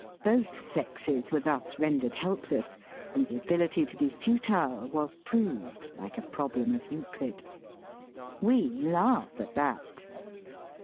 Both sexes were thus ren dered helpless, and the ability to be futile was proved like a problem of Euclid, We laugh at that.